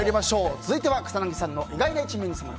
続いては草なぎさんの意外な一面に迫る